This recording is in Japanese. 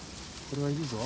これはいるぞ。